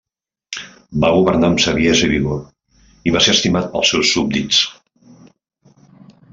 Va governar amb saviesa i vigor i va ser estimat pels seus súbdits.